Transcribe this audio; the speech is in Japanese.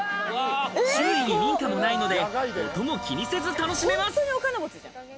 周囲に民家もないので、音を気にせず楽しめます。